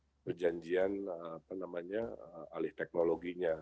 jadi perjanjian apa namanya alih teknologinya